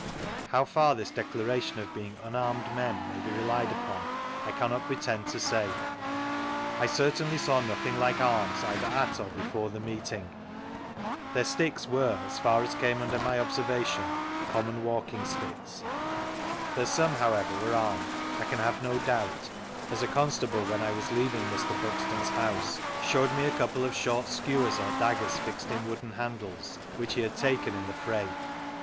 How far this declaration of being unarmed men may be relied upon, I cannot pretend to say; I certainly saw nothing like arms either at of before the meeting; their sticks were, as far as came tmder my observation, common walking sticks ; that some, however, were armed I can have no doubt, as a constable, when I was leaving Mr. Buxton's house, showed me a coufrfe of short skewers or daggers fixed in wooden handles, which he had taken in the fray.